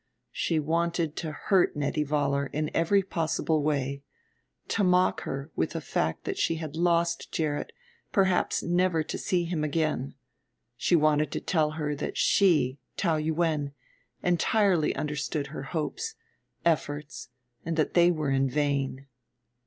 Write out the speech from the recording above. She wanted to hurt Nettie Vollar in every possible way, to mock her with the fact that she had lost Gerrit perhaps never to see him again; she wanted to tell her that she, Taou Yuen, entirely understood her hopes, efforts, and that they were vain.